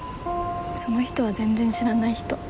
その人は全然知らない人。